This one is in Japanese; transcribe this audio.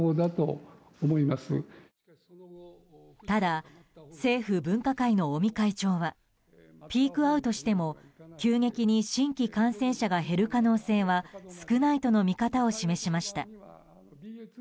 ただ、政府分科会の尾身会長はピークアウトしても急激に新規感染者が減る可能性は少ないとの見方を示しました。